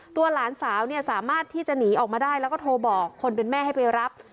หลานสาวเนี่ยสามารถที่จะหนีออกมาได้แล้วก็โทรบอกคนเป็นแม่ให้ไปรับ